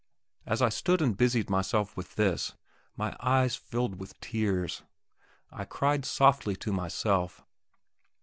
As I stood and busied myself with this, my eyes filled with tears; I cried softly to myself.